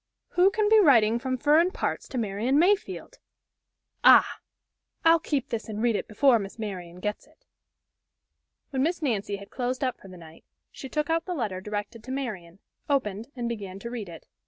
Who can be writing from furrin parts to Marian Mayfield? Ah! I'll keep this and read it before Miss Marian gets it." When Miss Nancy had closed up for the night she took out the letter directed to Marian, opened, and began to read it.